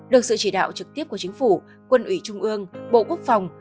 được sự chỉ đạo trực tiếp của chính phủ quân ủy trung ương bộ quốc phòng